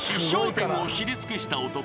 １０を知り尽くした男